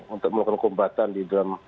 untuk melakukan kombatan di dalam